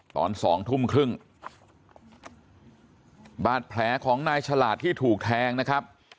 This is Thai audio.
ตอนสองทุ่มครึ่งบาดแผลของนายฉลาดที่ถูกแทงนะครับ